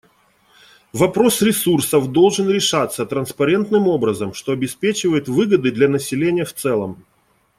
Вопрос ресурсов должен решаться транспарентным образом, что обеспечивает выгоды для населения в целом.